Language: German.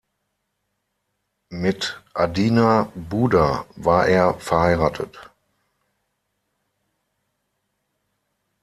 Mit Adina Buder war er verheiratet.